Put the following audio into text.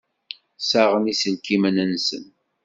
Ssaɣen iselkimen-nsen.